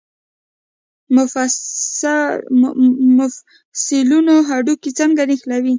مفصلونه هډوکي څنګه نښلوي؟